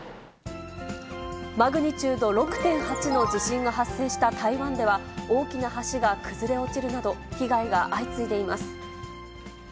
マグニチュード６．８の地震が発生した台湾では、大きな橋が崩れ落ちるなど、被害が相次いでいます。